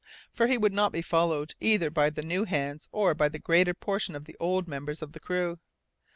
for he would not be followed either by the new hands, or by the greater portion of the older members of the crew.